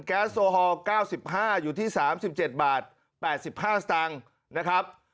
แก๊สโซฮอล์เก้าสิบห้าอยู่ที่สามสิบเจ็ดบาทแปดสิบห้าสตางค์นะครับ